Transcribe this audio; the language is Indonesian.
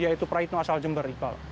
yaitu praitno asal jember iqbal